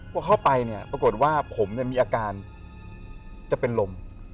พอเข้าไปเนี่ยปรากฏว่าผมมีอาการจะเป็นลม